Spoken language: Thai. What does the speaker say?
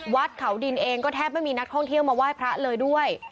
วัดเขาดินเองก็แทบไม่มีนักท่องเที่ยวมาไหว้พระเลยด้วย